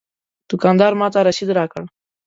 دوکاندار ماته رسید راکړ.